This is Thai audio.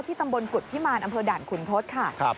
ตำบลกุฎพิมารอำเภอด่านขุนทศค่ะ